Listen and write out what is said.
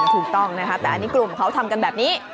ถูกต้องนะคะแต่อันนี้กลุ่มเขาทำกันแบบนี้